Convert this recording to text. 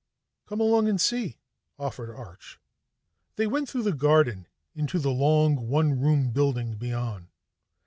"Come along and see," offered Arch. They went through the garden and into the long one room building beyond.